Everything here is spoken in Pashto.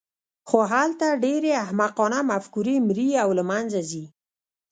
خو هلته ډېرې احمقانه مفکورې مري او له منځه ځي.